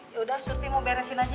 yaudah surti mau beresin aja ya